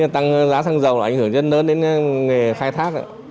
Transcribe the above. tăng giá xăng dầu là ảnh hưởng rất lớn đến nghề khai thác